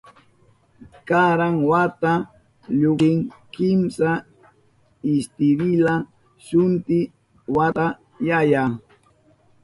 Karan wata llukshin kimsa istirilla, shutin wata yaya.